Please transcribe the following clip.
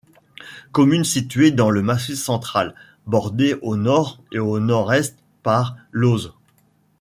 Commune située dans le Massif central, bordée au nord et au nord-est par l'Auze.